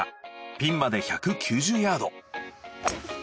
ピンまで１９０ヤード。